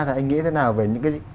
thì anh nghĩ thế nào về những cái